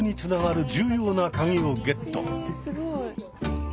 えすごい。